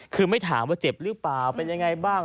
คือไม่ถามว่าเจ็บหรือเปล่าเป็นยังไงบ้าง